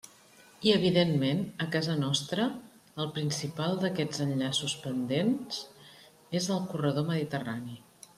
I, evidentment, a casa nostra el principal d'aquests enllaços pendents és el corredor mediterrani.